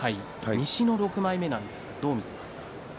西の６枚目なんですがどう見ていますか？